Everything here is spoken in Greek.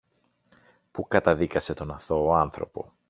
που καταδίκασε τον αθώο άνθρωπο.